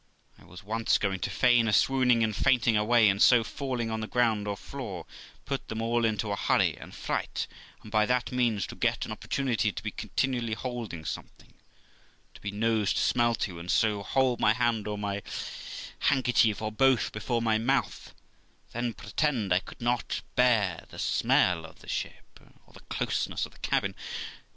I was once going to feign a swooning and fainting away, and so, falling on the ground, or floor, put them all into a hurry and fright, and by that means to get an opportunity to be continually holding something to my nose to smell to, and so hold my hand or my handkerchief, or both, before my mouth; then pretend 1 could not bear the smell of the ship, 358 THE LIFE OF ROXANA or the closeness of the cabin.